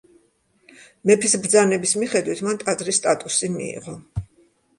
მეფის ბრძანების მიხედვით მან ტაძრის სტატუსი მიიღო.